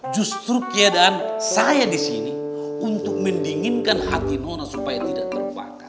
justru keadaan saya di sini untuk mendinginkan hati nora supaya tidak terbakar